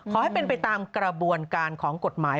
ขอให้เป็นไปตามกระบวนการของกฎหมาย